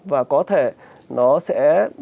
và có thể nó sẽ